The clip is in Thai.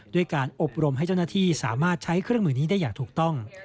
ด้วยการอบรมให้เจ้าหน้าที่สามารถใช้เครื่องมือนี้ได้อย่างถูกต้อง